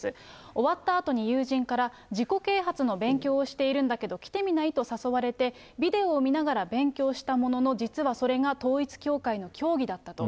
終わったあとに友人から、自己啓発の勉強をしているんだけど来てみないと誘われて、ビデオを見ながら勉強したものの、実はそれが、統一教会の教義だったと。